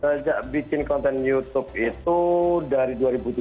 sejak bikin konten youtube itu dari dua ribu tujuh belas